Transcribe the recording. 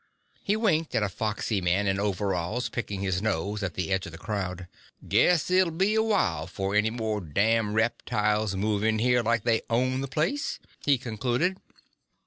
He winked at a foxy man in overalls picking his nose at the edge of the crowd. "Guess it'll be a while 'fore any more damned reptiles move in here like they owned the place," he concluded.